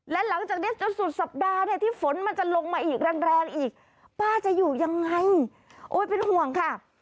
และหลังจากนี้จนสุดสัปดาห์เนี่ยที่ฝนมันจะลงมาอีกแรงแรงอีกป้าจะอยู่ยังไงโอ้ยเป็นห่วงค่ะ